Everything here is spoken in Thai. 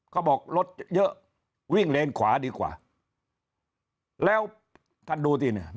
เขาบอกรถเยอะวิ่งเลนขวาดีกว่าแล้วท่านดูสิเนี่ย